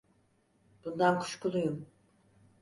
Bundan kuşkuluyum.